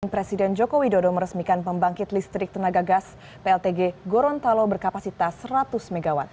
presiden joko widodo meresmikan pembangkit listrik tenaga gas pltg gorontalo berkapasitas seratus mw